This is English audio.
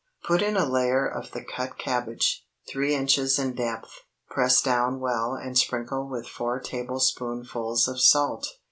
Put in a layer of the cut cabbage, three inches in depth; press down well and sprinkle with four tablespoonfuls of salt.